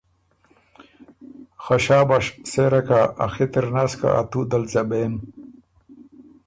خه شاباش! سېره کۀ ا خِط اِر نس که ا توت دل ځبېم